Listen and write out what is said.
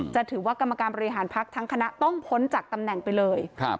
จะถือว่ากรรมการบริหารพักทั้งคณะต้องพ้นจากตำแหน่งไปเลย